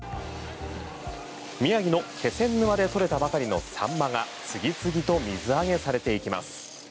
宮城の気仙沼で取れたばかりのサンマが次々と水揚げされていきます。